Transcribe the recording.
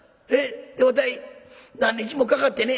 でわたい何日もかかってね